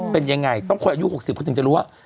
เป็นยังไงต้องคนอายุ๖๐เขาถึงจะรู้ว่า